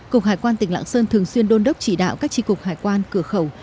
cục hải quan tỉnh lạng sơn thường xuyên đôn đốc chỉ đạo các tri cục hải quan cửa khẩu